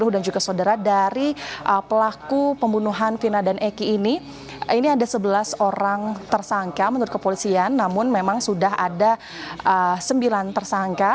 dan juga saudara dari pelaku pembunuhan vina dan eki ini ini ada sebelas orang tersangka menurut kepolisian namun memang sudah ada sembilan tersangka